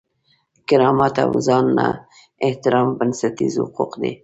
کرامت او ځان ته احترام بنسټیز حقوق دي.